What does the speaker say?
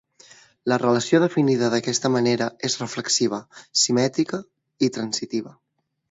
La relació definida d'aquesta manera és reflexiva, simètrica i transitiva.